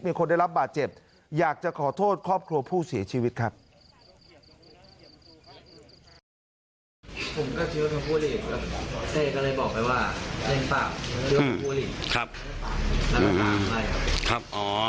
มีคนได้รับบาดเจ็บอยากจะขอโทษครอบครัวผู้เสียชีวิตครับ